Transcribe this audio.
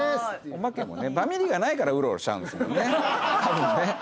お化けもねバミリがないからウロウロしちゃうんですもんね多分ね。